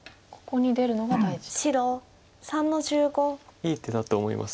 いい手だと思います。